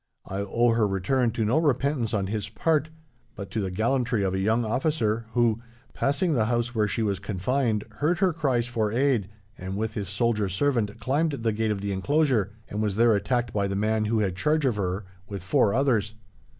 'I owe her return to no repentance on his part, but to the gallantry of a young officer who, passing the house where she was confined, heard her cries for aid, and, with his soldier servant, climbed the gate of the enclosure, and was there attacked by the man who had charge of her, with four others.